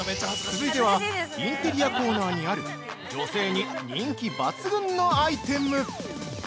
◆続いてはインテリアコーナーにある女性に人気抜群のアイテム。